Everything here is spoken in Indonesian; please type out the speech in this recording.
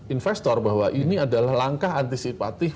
investor bahwa ini adalah langkah antisipatif